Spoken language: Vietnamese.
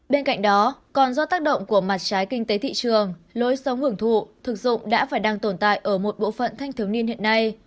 bên cạnh đó còn do tác động của mặt trái kinh tế thị trường lối sống hưởng thụ thực dụng đã phải đang tồn tại ở một bộ phận thanh thiếu niên hiện nay